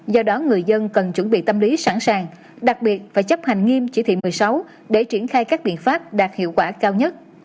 do đó người dân cần chuẩn bị tâm lý sẵn sàng đặc biệt phải chấp hành nghiêm chỉ thị một mươi sáu để triển khai các biện pháp đạt hiệu quả cao nhất